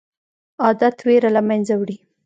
عادت ویره له منځه وړي.